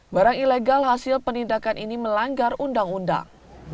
barang ilegal hasil penindakan ini melanggar undang undang